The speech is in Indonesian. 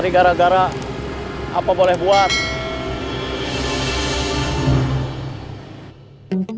dan limpah suaramu